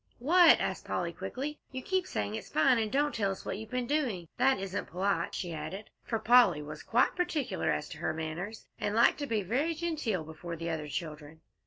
"What?" asked Polly, quickly. "You keep saying it's fine, and don't tell us what you've been doing. That isn't polite," she added, for Polly was quite particular as to her manners, and liked to be very genteel before the other children.